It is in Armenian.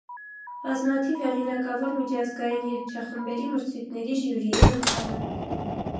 Բազմաթիվ հեղինակավոր միջազգային երգչախմբերի մրցույթների ժյուրիի անդամ է։